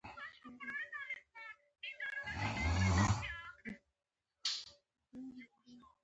د بقا لپاره يې د خیال ساتنه غواړي.